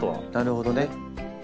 なるほどね。